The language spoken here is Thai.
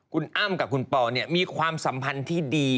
คุณอ้ำกับคุณปอเนี่ยมีความสัมพันธ์ที่ดี